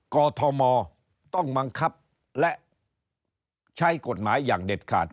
กอทมต้องบังคับและใช้กฎหมายอย่างเด็ดขาด